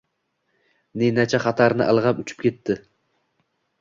Ninachi xatarni ilg’ab, uchib ketdi.